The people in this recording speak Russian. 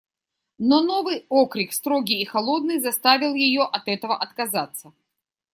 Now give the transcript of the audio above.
Но новый окрик, строгий и холодный, заставил ее от этого отказаться.